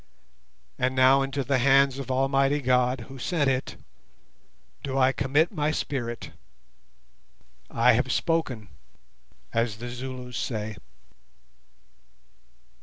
And now into the hands of Almighty God, who sent it, do I commit my spirit. "I have spoken," as the Zulus say.